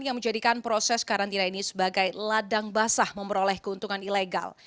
yang menjadikan proses karantina ini sebagai ladang basah memperoleh keuntungan ilegal